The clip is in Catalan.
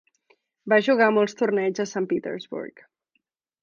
Va jugar molts torneigs a Sant Petersburg.